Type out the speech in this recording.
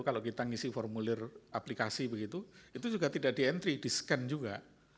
kalau kita ngisi formulir aplikasi begitu itu juga tidak di entry di scan juga